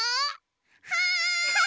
はい！